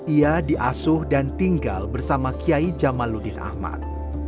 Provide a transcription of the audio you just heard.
ia diasuh dan tinggal bersama kiai jamaludin ahmad